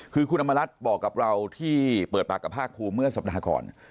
คือคุณอำมารัฐบอกกับเราที่เปิดปากกับภาคภูมิเมื่อสัปดาห์ก่อน